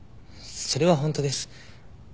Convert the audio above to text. それは本当です。